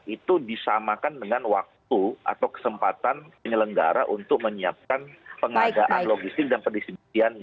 itu disamakan dengan waktu atau kesempatan penyelenggara untuk menyiapkan pengadaan logistik dan pendistribusiannya